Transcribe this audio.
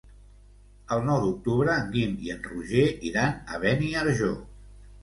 El nou d'octubre en Guim i en Roger iran a Beniarjó.